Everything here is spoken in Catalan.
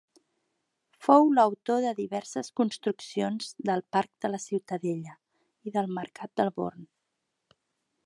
Fou autor de diverses construccions del Parc de la Ciutadella, i del Mercat del Born.